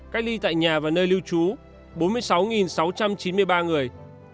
cách ly tại nhà và nơi lưu trú bốn mươi sáu sáu trăm chín mươi ba người